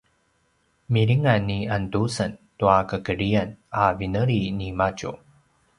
“milingan ni Andusen tua kakedrian” a vineli nimadju